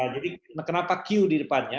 kenapa q di depannya